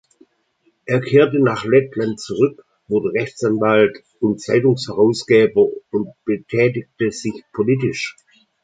Er kehrte nach Lettland zurück, wurde Rechtsanwalt und Zeitungsherausgeber und betätigte sich politisch.